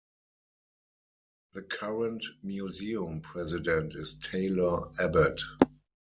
The current museum president is Taylor Abbott.